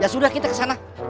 ya sudah kita ke sana